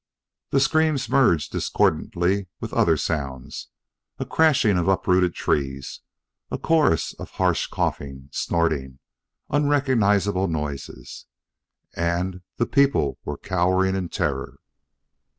The screams merged discordantly with other sounds a crashing of uprooted trees a chorus of harsh coughing snorting unrecognizable noises. And the people were cowering in terror.